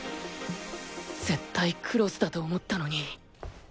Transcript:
絶対クロスだと思ったのに